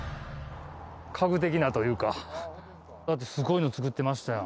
家具的なというか、すごいの作ってましたよ。